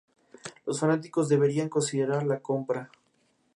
Los fanáticos deberían considerar la compra.